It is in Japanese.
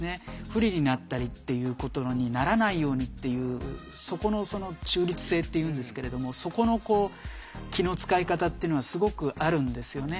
不利になったりっていうことにならないようにっていうそこのその中立性っていうんですけれどもそこのこう気の遣い方っていうのはすごくあるんですよね。